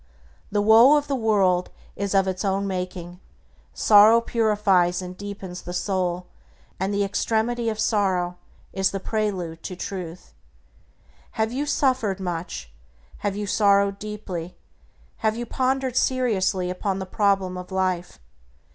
The woe of the world is of its own making. Sorrow purifies and deepens the soul, and the extremity of sorrow is the prelude to Truth. Have you suffered much? Have you sorrowed deeply? Have you pondered seriously upon the problem of life?